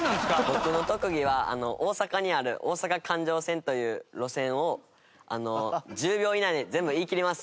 僕の特技は大阪にある大阪環状線という路線を１０秒以内で全部言い切ります！